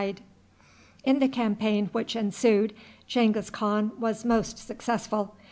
In the campaign which ensued Genghis Khan was most successful.